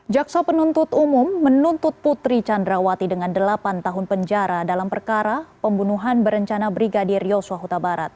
jaksa penuntut umum menuntut putri candrawati dengan delapan tahun penjara dalam perkara pembunuhan berencana brigadir yosua huta barat